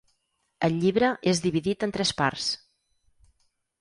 El llibre és dividit en tres parts.